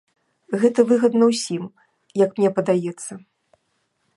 Гэта выгадна ўсім, як мне падаецца.